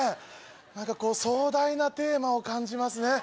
壮大なテーマを感じますね。